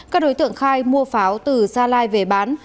các đối tượng khai mua pháo từ gia lai về bán